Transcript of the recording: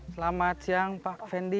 selamat siang pak fendi